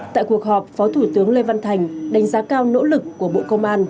tại cuộc họp phó thủ tướng lê văn thành đánh giá cao nỗ lực của bộ công an